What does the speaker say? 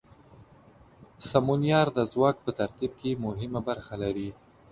سمونیار د ځواک په ترتیب کې مهمه برخه لري.